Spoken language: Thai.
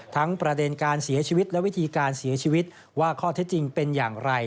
ประเด็นการเสียชีวิตและวิธีการเสียชีวิตว่าข้อเท็จจริงเป็นอย่างไร